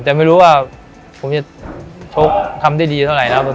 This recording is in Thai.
แต่ไม่รู้ว่าผมจะชกทำได้ดีเท่าไหร่แล้ว